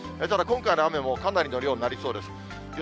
今回の雨もかなりの量になりそうです。